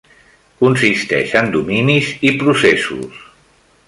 Consisteix en dominis i processos.